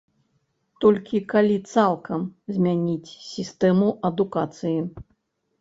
Толькі калі цалкам змяніць сістэму адукацыі.